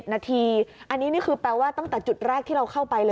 นาทีอันนี้นี่คือแปลว่าตั้งแต่จุดแรกที่เราเข้าไปเลย